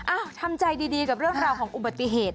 ทำใจดีกับเรื่องราวของอุบัติเหตุ